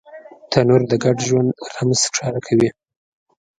تنور د ګډ ژوند رمز ښکاره کوي